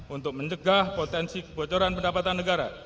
untuk mencegah potensi kebocoran pendapatan negara